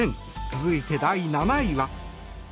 続いて、第７位は。